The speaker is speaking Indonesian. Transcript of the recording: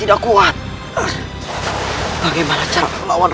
aku ingin men relatikan